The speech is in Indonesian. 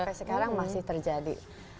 sampai sekarang masih terjadi